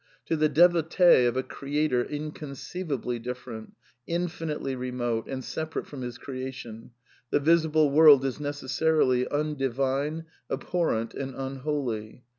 To the devotee of a Creator inconceivably different, in finitely remote and separate from his creation, the visible world is necessarily undivine, abhorrent and unholy.